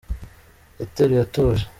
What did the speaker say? Yateruye atuje